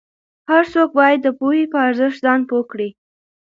هر څوک باید د پوهې په ارزښت ځان پوه کړي.